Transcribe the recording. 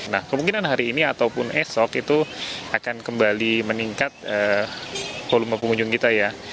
nah kemungkinan hari ini ataupun esok itu akan kembali meningkat volume pengunjung kita ya